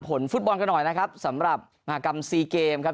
ฟุตบอลกันหน่อยนะครับสำหรับมหากรรมซีเกมครับ